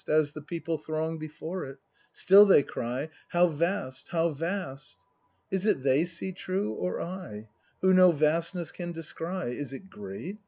As the people throng before it. Still they cry: "How vast! how vast!" Is it they see true or I, Who no vastness can descry ? Is it great?